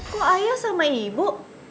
kok ayah sama ibu